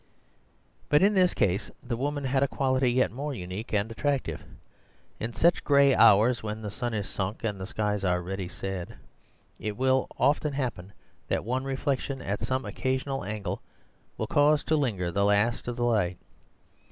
But in this case the woman had a quality yet more unique and attractive. In such gray hours, when the sun is sunk and the skies are already sad, it will often happen that one reflection at some occasional angle will cause to linger the last of the light.